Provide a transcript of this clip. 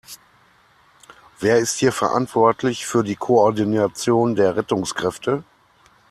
Wer ist hier verantwortlich für die Koordination der Rettungskräfte?